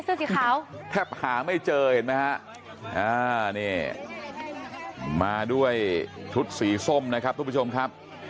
สีขาวแทบหาไม่เจอเห็นไหมฮะอ่านี่มาด้วยชุดสีส้มนะครับทุกผู้ชมครับ